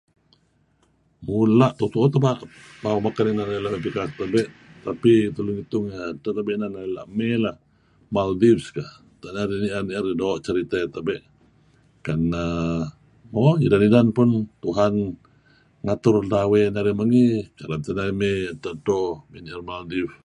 Mula' tu'uh-tu'uh teh bawang beken inan narih la' mey pikak tebe' tapi edteh tebe' inan narih la' mey, Maldives kedeh. Utak narih ni'er-ni'er doo' ceriteh dih tebe' . Kan err mo idan-idan pun Tuhan ngatur lawey narih mengi kereb teh narih mey edteh edto mey ni'er Maldives.